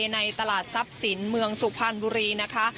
ในตลาดทรัพย์สินเมืองสุพรรณบุรีนะคะ